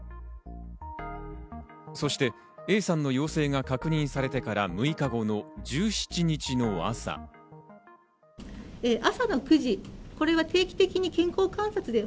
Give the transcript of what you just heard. そしてＡさんの陽性が確認されてから６日後の１７日の朝。